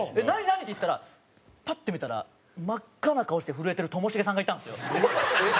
何？っていったらパッて見たら真っ赤な顔して震えてるともしげさんがいたんですよ。